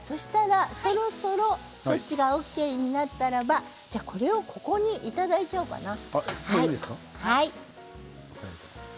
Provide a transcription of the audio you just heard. そろそろそっちがＯＫになったらばここにいただいちゃおうかな。